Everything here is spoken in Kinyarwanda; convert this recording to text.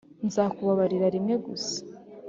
nzakubabarira rimwe gusa.